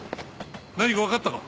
何かわかったか？